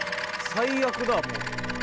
最悪だもう。